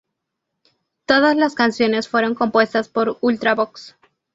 Todas las canciones fueron compuestas por Ultravox!